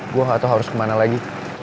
gue gak tau harus kemana lagi